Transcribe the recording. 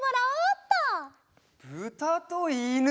ぶたといぬ？